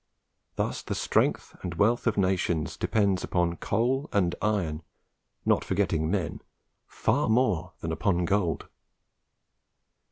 Thus the strength and wealth of nations depend upon coal and iron, not forgetting Men, far more than upon gold.